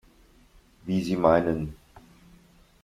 Wie Sie meinen.